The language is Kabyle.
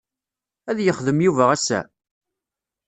Ad yexdem Yuba ass-a?